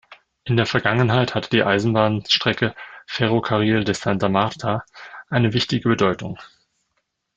In der Vergangenheit hatte die Eisenbahnstrecke "Ferrocarril de Santa Marta" eine wichtige Bedeutung.